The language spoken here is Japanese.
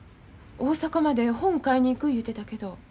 大阪まで本買いに行く言うてたけど。